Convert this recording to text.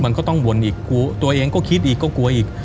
มันก็ต้องวนอีกกลัวตัวเองก็คิดอีกก็กลัวอีก